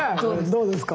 どうですか？